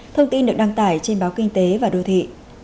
thông tin được đăng tải trên báo kinh tế và đô thị